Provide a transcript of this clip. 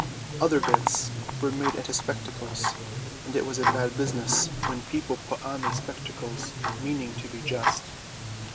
Other bits were made into spectacles, and it was a bad business when people put on these spectacles meaning to be just.